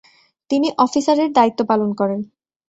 তিনি অফিসারের দায়িত্ব পালন করেন।